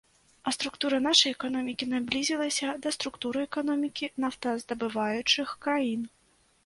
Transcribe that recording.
А структура нашай эканомікі наблізілася да структуры эканомікі нафтаздабываючых краін.